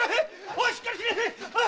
おいしっかりしなせえ！